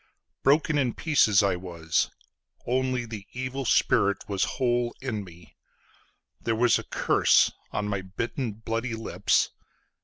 Broken in pieces I was—only the evil spirit was whole in me; There was a curse on my bitten bloody lips….